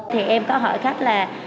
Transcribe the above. thì em có hỏi khách là